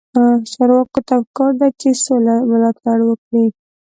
چارواکو ته پکار ده چې، سوله ملاتړ وکړي.